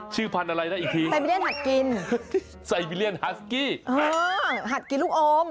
ชื่อพันธุ์อะไรแล้วอีกทีไซบิเรียนหัดกินหัดกินลูกอม